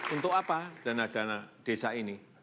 untuk apa dana dana desa ini